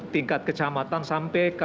tingkat kecamatan sampai